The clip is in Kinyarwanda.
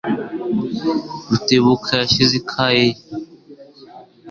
Rutebuka yashyize ikaye ye.